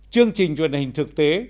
chương trình truyền hình thực tế